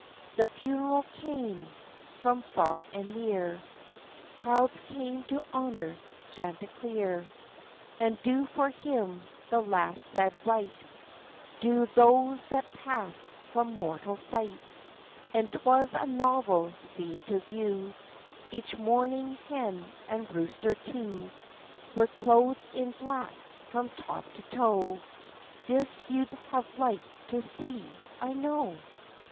The funeral came : from far and near Crowds came to honor Chanticleer, And do for him the last sad rite Due those that pass from mortal sight. And 'twas a novel scene to view: Each mourning hen and rooster too Were clothed in black from top to toe; This you'd have liked to see, I know.